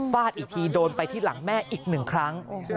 อีกทีโดนไปที่หลังแม่อีกหนึ่งครั้ง